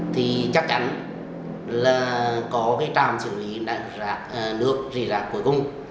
thì chắc chắn là có cái trạm xử lý nước rỉ rạc cuối cùng